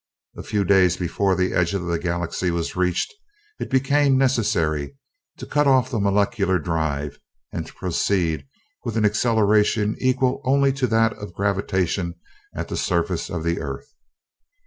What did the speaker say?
A few days before the edge of the Galaxy was reached, it became necessary to cut off the molecular drive, and to proceed with an acceleration equal only to that of gravitation at the surface of the Earth.